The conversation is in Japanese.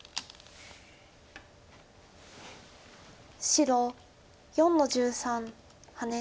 白４の十三ハネ。